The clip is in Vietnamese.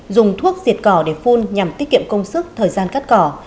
dùng thuốc diệt cỏ để phun nhằm tiết kiệm công sức thời gian cắt cỏ